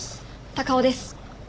高尾です。